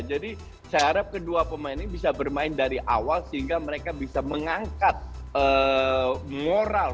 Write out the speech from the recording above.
jadi saya harap kedua pemain ini bisa bermain dari awal sehingga mereka bisa mengangkat moral